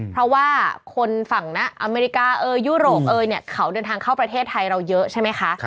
เพราะว่าคนฝั่งนะอเมริกาเอยยุโรปเอ๋ยเนี่ยเขาเดินทางเข้าประเทศไทยเราเยอะใช่ไหมคะ